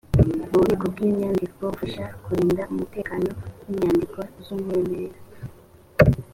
ububiko bw’inyandiko bufasha kurinda umutekano w’inyandiko z’umwimerere